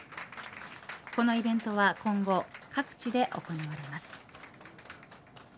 このイベントは今後各地で行われます。